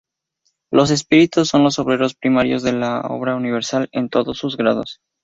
Los espíritus son los obreros primarios de la obra universal en todos sus grados.